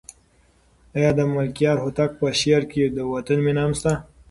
آیا د ملکیار هوتک په شعر کې د وطن مینه هم شته؟